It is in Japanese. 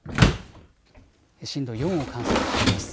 震度４を観測しています。